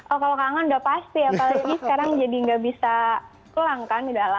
oh kalau kangen udah pasti apalagi sekarang jadi nggak bisa pulang kan udah lama